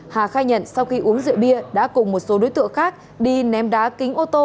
hà khai nhận sau khi uống rượu bia đã cùng một số đối tượng khác đi ném đá kính ô tô